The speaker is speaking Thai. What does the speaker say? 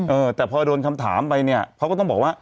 เออแต่พอโดนคำถามไปเนี่ยเขาก็ต้องบอกว่า